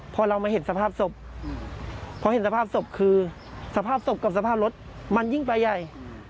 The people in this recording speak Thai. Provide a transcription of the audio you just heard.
พอเรามาเห็นสภาพศพพอเห็นสภาพศพคือสภาพศพกับสภาพรถมันยิ่งไปใหญ่